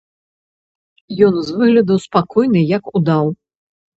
Ён з выгляду спакойны як удаў.